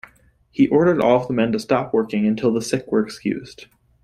He ordered all of the men to stop working until the sick were excused.